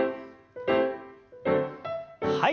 はい。